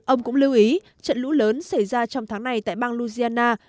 ông cũng lưu ý trận lũ lớn xảy ra trong tháng này tại bang louisiana